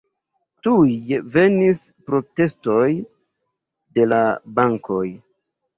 Tuj venis protestoj de la bankoj.